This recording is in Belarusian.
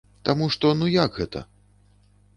Таму што ну як гэта?